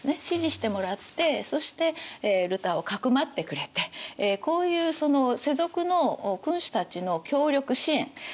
支持してもらってそしてルターをかくまってくれてこういうその世俗の君主たちの協力支援